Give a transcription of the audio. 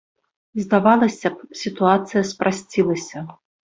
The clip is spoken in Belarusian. Здавалася б, сітуацыя спрасцілася.